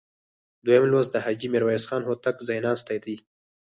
دویم لوست د حاجي میرویس خان هوتک ځایناستي دي.